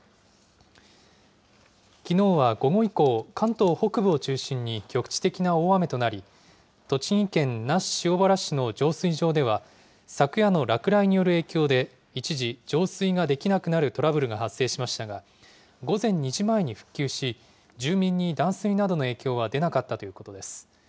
きのうは午後以降、関東北部を中心に局地的な大雨となり、栃木県那須塩原市の浄水場では、昨夜の落雷による影響で、一時浄水ができなくなるトラブルが発生しましたが、午前２時前に復旧し、住民に断水などの影響は出なかったということです。